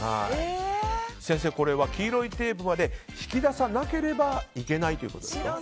先生、これは黄色いテープまで引き出さなければいけないということですか。